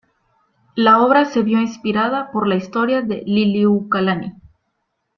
La obra se vio inspirada por la historia de Liliuokalani.